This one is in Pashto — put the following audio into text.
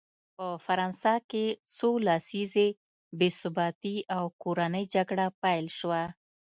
په فرانسه کې څو لسیزې بې ثباتي او کورنۍ جګړه پیل شوه.